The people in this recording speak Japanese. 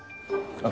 あっ！